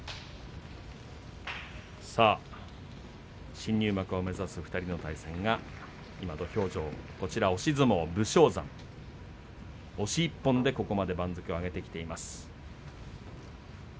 新入幕を目指す２人の対戦が今、土俵上押し相撲の武将山押し１本でここまで番付を上げてきています。